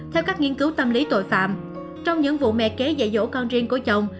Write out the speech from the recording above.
theo các nghiên cứu tâm lý tội phạm trong những vụ mẹ kế dạy dỗ con riêng của chồng